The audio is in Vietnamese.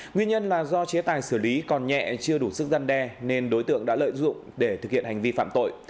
nguyên nhân là do chế tài xử lý còn nhẹ chưa đủ sức gian đe nên đối tượng đã lợi dụng để thực hiện hành vi phạm tội